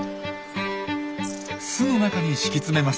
巣の中に敷き詰めます。